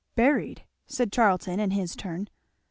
"Buried!" said Charlton in his turn.